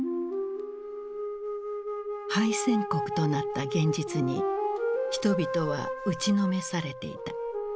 敗戦国となった現実に人々は打ちのめされていた。